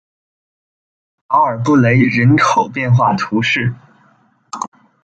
达尔布雷人口变化图示